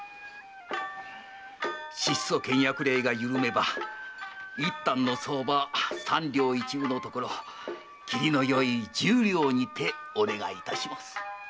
質素倹約令が緩めば一反の相場三両一分のところ切りのよい十両にてお願いいたします。